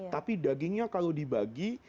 tapi dagingnya kalau dibagi